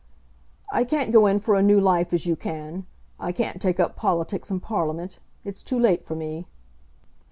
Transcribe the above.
"I can't go in for a new life as you can. I can't take up politics and Parliament. It's too late for me."